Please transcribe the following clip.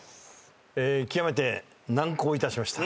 極めて難航いたしました。